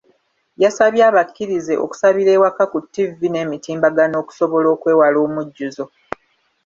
Yasabye abakkirize okusabira ewaka ku ttivvi n’emitimbagano okusobola okwewala omujjuzo.